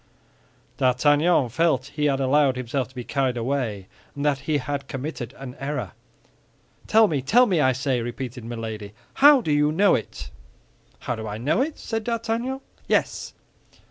D'Artagnan felt he had allowed himself to be carried away, and that he had committed an error. "Tell me, tell me, tell me, I say," repeated Milady, "how do you know it?" "How do I know it?" said D'Artagnan. "Yes."